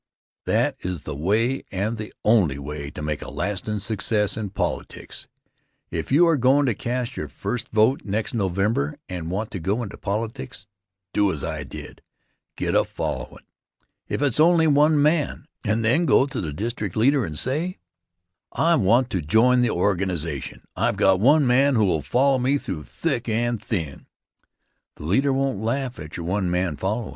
That is the way and the only way to' make a lastin' success in politics. If you are goin' to cast your first vote next November and want to go into politics, do as I did. Get a followin', if it's only one man, and then go to the district leader and say: "I want to join the organization. I've got one man who'll follow me through thick and thin." The leader won't laugh at your one man followin'.